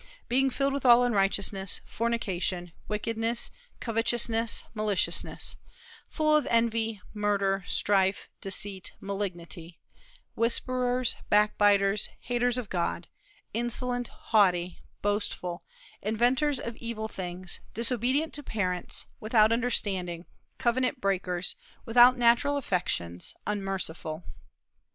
being filled with all unrighteousness, fornication, wickedness, covetousness, maliciousness; full of envy, murder, strife, deceit, malignity; whisperers, backbiters, haters of God, insolent, haughty, boastful, inventors of evil things, disobedient to parents, without understanding, covenant breakers, without natural affections, unmerciful."